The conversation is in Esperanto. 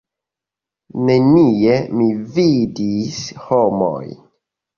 Nenie mi vidis homojn.